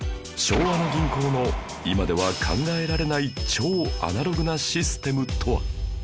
昭和の銀行の今では考えられない超アナログなシステムとは？